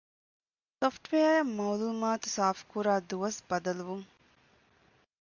ސޮފްޓްވެއާއަށް މައުޅުމާތު ސާފުކުރާ ދުވަސް ބަދަލުވުން